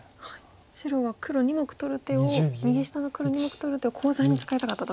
白は黒２目取る手を右下の黒２目取る手をコウ材に使いたかったと。